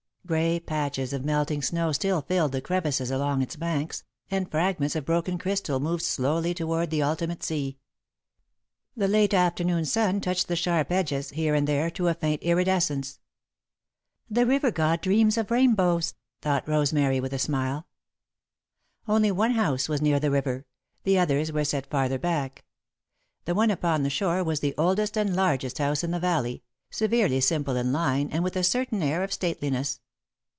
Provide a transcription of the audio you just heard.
Grey patches of melting snow still filled the crevices along its banks, and fragments of broken crystal moved slowly toward the ultimate sea. The late afternoon sun touched the sharp edges, here and there to a faint iridescence. "The river god dreams of rainbows," thought Rosemary, with a smile. [Sidenote: The Valley] Only one house was near the river; the others were set farther back. The one upon the shore was the oldest and largest house in the valley, severely simple in line and with a certain air of stateliness.